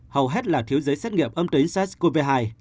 hầu hết là thiếu giấy xét nghiệm âm tính sars cov hai